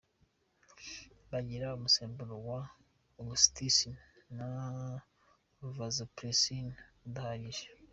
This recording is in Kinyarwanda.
Bagira umusemburo wa Oxyticin na Vasopressin udahagije.